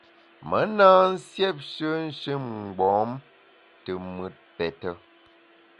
Me na nsiêpshe nshin-mgbom te mùt pète.